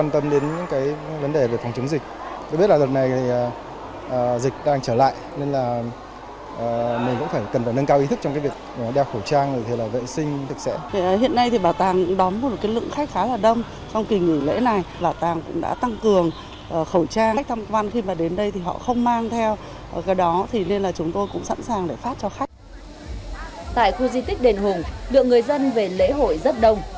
tại khu duy tích đền hùng lượng người dân về lễ hội rất đông